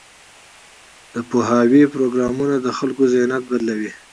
د پوهاوي پروګرامونه د خلکو ذهنیت بدلوي.